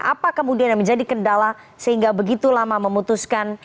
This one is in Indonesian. apa kemudian yang menjadi kendala sehingga begitu lama memutuskan